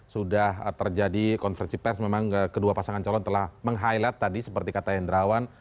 sudah terjadi konferensi pers memang kedua pasangan calon telah meng highlight tadi seperti kata hendrawan